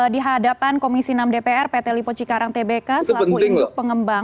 di hadapan komisi enam dpr pt lipo cikarang tbk selaku induk pengembang